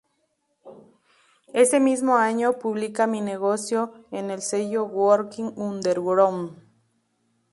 Ese mismo año, publica "Mi Negocio" en el sello Working Underground.